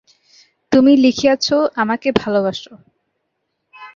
তুমি লিখিয়াছ, আমাকে ভালোবাস।